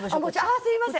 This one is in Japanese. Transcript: ああすいません！